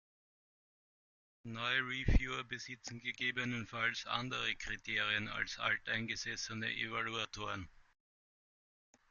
Neue Reviewer besitzen gegebenenfalls andere Kriterien als alteingesessene Evaluatoren.